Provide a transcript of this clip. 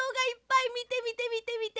みてみてみてみて！